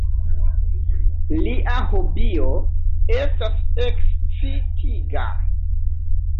Lia hobio estas ekscitiga.